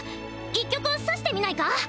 一局指してみないか？